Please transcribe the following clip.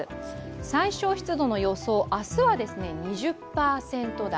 最小湿度の予想、明日は２０％台。